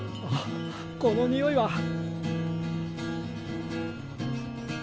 あっこの匂いは！